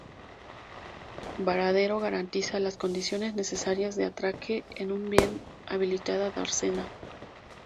Varadero garantiza las condiciones necesarias de atraque en una bien habilitada dársena.